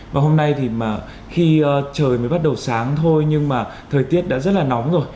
và hôm nay thì khi trời mới bắt đầu sáng thôi nhưng mà thời tiết đã rất là nóng rồi